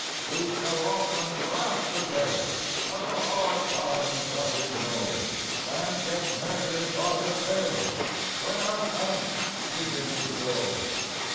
We shall often laugh together at the hard times that we know, And get measured by the tailor when our pants begin to go.